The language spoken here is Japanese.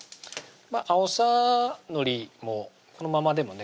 あおさのりもこのままでもね